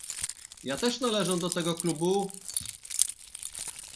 "Ja też należę do tego klubu."